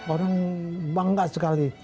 orang bangga sekali